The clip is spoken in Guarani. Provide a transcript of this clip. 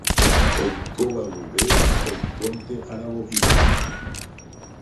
Oikóva guive oikonte'arãvoi